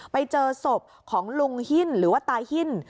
ไปเจอศพของลุงหิ้นหรือว่าตาหิน